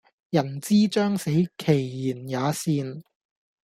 人之將死其言也善